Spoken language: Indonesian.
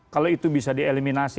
kalau itu bisa dieliminasi